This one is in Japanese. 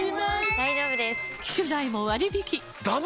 大丈夫です！